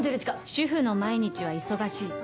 主婦の毎日は忙しい。